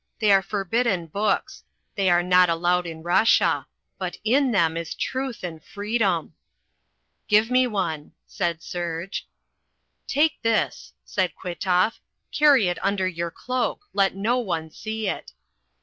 "They are forbidden books. They are not allowed in Russia. But in them is truth and freedom." "Give me one," said Serge. "Take this," said Kwitoff. "Carry it under your cloak. Let no one see it."